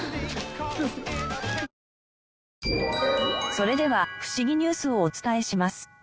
それではフシギニュースをお伝えします。